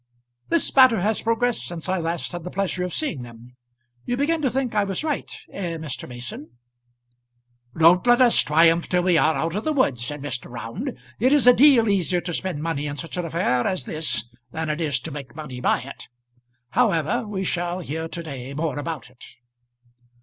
"This matter has progressed since I last had the pleasure of seeing them. You begin to think I was right; eh, Mr. Mason?" "Don't let us triumph till we are out of the wood," said Mr. Round. "It is a deal easier to spend money in such an affair as this than it is to make money by it. However we shall hear to day more about it."